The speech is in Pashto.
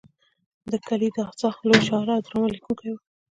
کالیداسا لوی شاعر او ډرامه لیکونکی و.